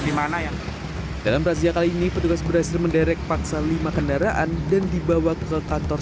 dimana yang dalam razia kali ini petugas berhasil menderek paksa lima kendaraan dan dibawa ke kantor